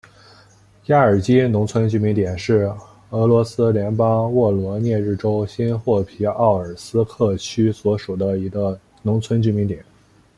亚尔基农村居民点是俄罗斯联邦沃罗涅日州新霍皮奥尔斯克区所属的一个农村居民点。